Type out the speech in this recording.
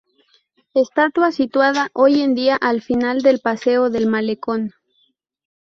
Estatua situada hoy día al final del paseo del Malecón.